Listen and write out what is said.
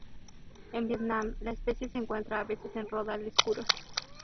En Vietnam, la especie se encuentra a veces en rodales puros.